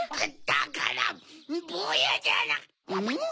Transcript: だからぼうやじゃん？